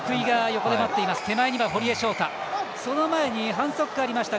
反則がありました。